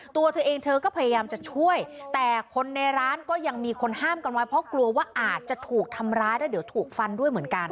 ตัวเธอเองเธอก็พยายามจะช่วยแต่คนในร้านก็ยังมีคนห้ามกันไว้เพราะกลัวว่าอาจจะถูกทำร้ายแล้วเดี๋ยวถูกฟันด้วยเหมือนกัน